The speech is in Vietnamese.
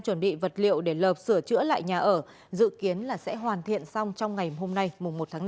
sử dụng đặc liệu để lợp sửa chữa lại nhà ở dự kiến là sẽ hoàn thiện xong trong ngày hôm nay một tháng năm